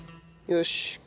よし。